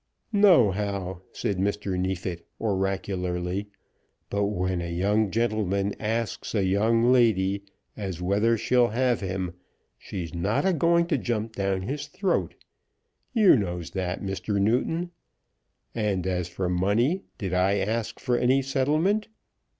"Nohow," said Mr. Neefit, oracularly. "But when a young gentleman asks a young lady as whether she'll have him, she's not a going to jump down his throat. You knows that, Mr. Newton. And as for money, did I ask for any settlement?